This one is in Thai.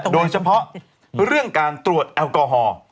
โดยเฉพาะเรื่องการตรวจแอลกอฮอล์